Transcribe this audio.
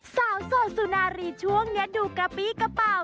สาวโสดสุนารีช่วงนี้ดูกะปี้กระเป๋า